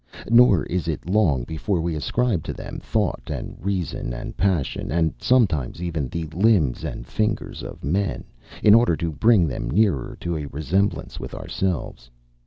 Nor is it long before we ascribe to them thought, and reason, and passion, and sometimes even the limbs and figures of men, in order to bring them nearer to a resemblance with ourselves....